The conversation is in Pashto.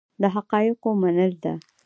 د حقایقو منل ده.